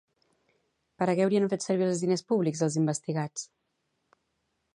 Per a què haurien fet servir els diners públics els investigats?